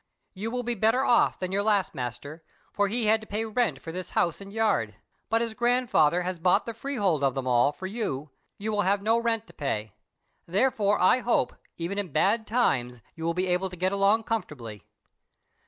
"You will be better off than your last master, for he had to pay rent for this house and yard, but, as grandfather has bought the freehold of them all for you, you will have no rent to pay. Therefore I hope, even in bad times, you will be able to get along comfortably.